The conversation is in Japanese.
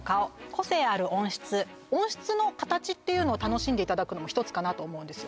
個性ある温室温室の形っていうのを楽しんでいただくのも１つかなと思うんです